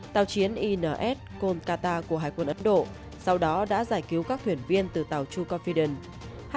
tàu chiến ins kolkata của hải quân ấn độ sau đó đã giải cứu các thuyền viên từ tàu true confidence